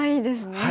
はい。